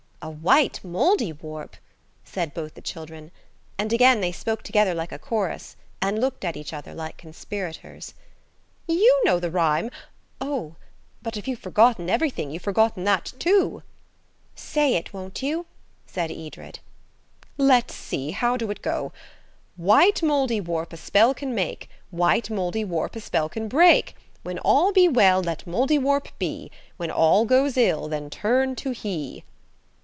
"A white Mouldiwarp?" said both the children, and again they spoke together like a chorus and looked at each other like conspirators. "You know the rhyme–oh! but if you've forgotten everything you've forgotten that too." "Say it, won't you?" said Edred. "Let's see, how do it go?– "White Mouldiwarp a spell can make, White Mouldiwarp a spell can break; When all be well, let Mouldiwarp be, When all goes ill, then turn to he."